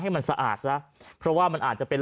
ให้มันสะอาดซะเพราะว่ามันอาจจะเป็น